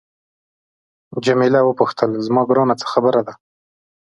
جميله وپوښتل زما ګرانه څه خبره ده.